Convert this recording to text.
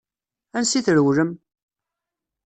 Ansa i trewlem?